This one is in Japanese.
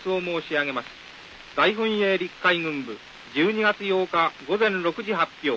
大本営陸海軍部１２月８日午前６時発表。